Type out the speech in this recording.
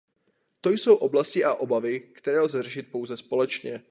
To jsou oblasti a obavy, které lze řešit pouze společně.